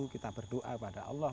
kita berdoa pada allah